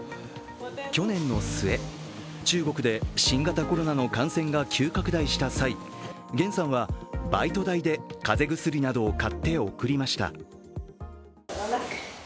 去年の末、中国で新型コロナの感染が急拡大した際、元さんは、バイト代で風邪薬などを買って送りました。